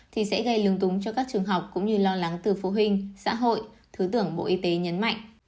thì sẽ gây lung túng cho các trường học cũng như lo lắng từ phụ huynh xã hội thứ trưởng bộ y tế nhấn mạnh